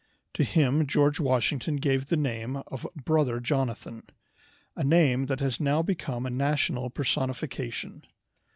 To him George Washington gave the name of "Brother Jonathan," a name that has now become a national personification.